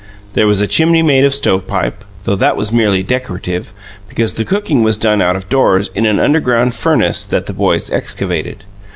There was a chimney made of stovepipe, though that was merely decorative, because the cooking was done out of doors in an underground "furnace" that the boys excavated.